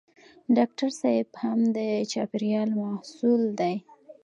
ډاکټر صېب هم د چاپېریال محصول دی.